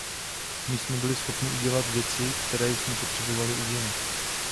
My jsme byli schopni udělat věci, které jsme potřebovali udělat.